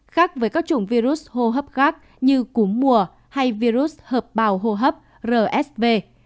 khác với các chủng virus hô hấp khác như cúm mùa hay virus hợp bào hô hấp rsv